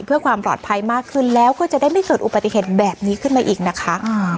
เพื่อความปลอดภัยมากขึ้นแล้วก็จะได้ไม่เกิดอุบัติเหตุแบบนี้ขึ้นมาอีกนะคะ